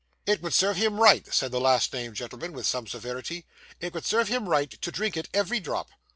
'It would serve him right,' said the last named gentleman, with some severity 'it would serve him right to drink it every drop.